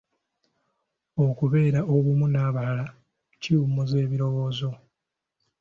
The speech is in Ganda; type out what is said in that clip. Okubeera obumu n'abalala kiwummuza ebirowoozo.